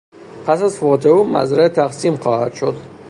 پس از فوت او مزرعه تقسیم خواهد شد.